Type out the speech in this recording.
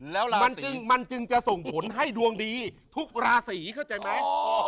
แล้วล่ะมันจึงมันจึงจะส่งผลให้ดวงดีทุกราศีเข้าใจไหม